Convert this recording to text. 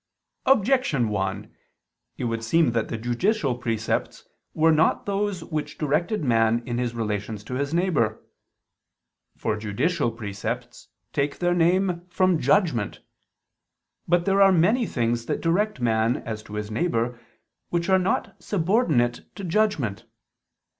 Objection 1: It would seem that the judicial precepts were not those which directed man in his relations to his neighbor. For judicial precepts take their name from judgment. But there are many things that direct man as to his neighbor, which are not subordinate to judgment.